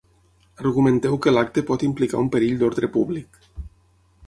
Argumenteu que l’acte pot implicar un perill d’ordre públic.